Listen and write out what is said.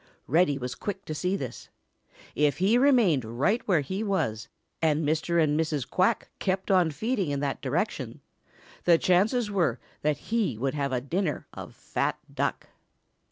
Reddy was quick to see this. If he remained right where he was, and Mr. and Mrs. Quack kept on feeding in that direction, the chances were that he would have a dinner of fat Duck.